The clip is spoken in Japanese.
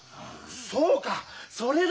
そうかそれだ！